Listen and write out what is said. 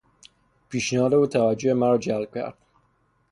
پیشنهاد او توجه مرا جلب کرد.